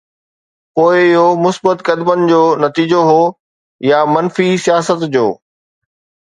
پوءِ اهو مثبت قدمن جو نتيجو هو يا منفي سياست جو؟